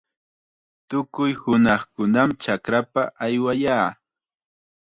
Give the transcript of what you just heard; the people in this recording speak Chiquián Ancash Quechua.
Tukuy hunaqkunam chakrapa aywayaa.